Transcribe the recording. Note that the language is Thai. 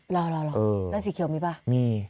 รอแล้วสีเขียวมีป่ะมี